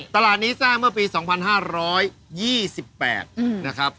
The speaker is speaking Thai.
ตลาดนี้สร้างเมื่อปี๒๕๒๘นะครับ